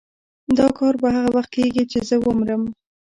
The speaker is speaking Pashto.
دا کار به هغه وخت کېږي چې زه ومرم.